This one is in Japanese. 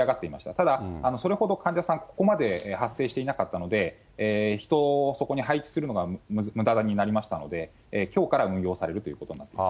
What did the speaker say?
ただ、それほど患者さん、ここまで発生していなかったので、人をそこに配置するのがむだになりましたので、きょうから運用されることになっています。